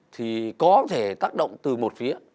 thì có thể tác động từ một phía